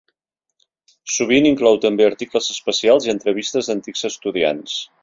Sovint inclou també articles especials i entrevistes d'antics estudiants.